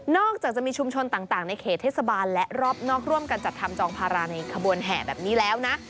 จากจะมีชุมชนต่างในเขตเทศบาลและรอบนอกร่วมกันจัดทำจองภาราในขบวนแห่แบบนี้แล้วนะ